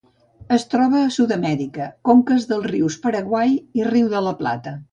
Es troba a Sud-amèrica: conques dels rius Paraguai i Riu de La Plata.